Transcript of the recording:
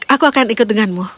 aku akan ikut denganmu